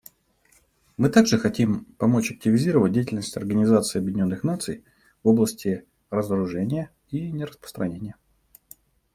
Мы также хотим помочь активизировать деятельность Организации Объединенных Наций в области разоружения и нераспространения.